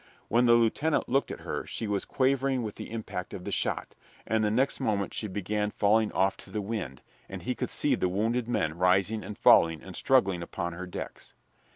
When the lieutenant looked at her she was quivering with the impact of the shot, and the next moment she began falling off to the wind, and he could see the wounded men rising and falling and struggling upon her decks.